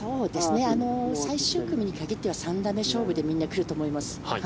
最終組に限っては３打目勝負でみんな、来ると思います。